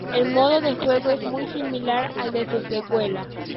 El modo de juego es muy similar al de su precuela.